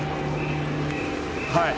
はい。